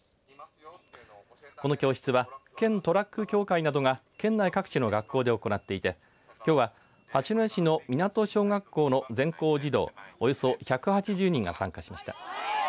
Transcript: この教室は県トラック協会などが県内各地の学校で行っていてきょうは八戸市の湊小学校の全校児童およそ１８０人が参加しました。